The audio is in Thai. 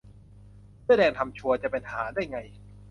เสื้อแดงทำชัวร์ จะเป็นทหารได้ไง !